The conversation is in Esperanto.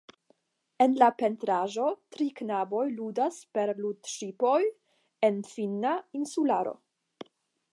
En la pentraĵo tri knaboj ludas per ludŝipoj en finna insularo.